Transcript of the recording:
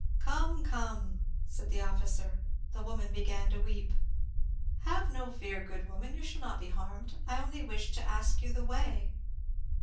^' Come, come," said the officer. The woman began to weep. '^ Have no fear, good woman ; you shall not be harmed ; I only wish to ask you the way."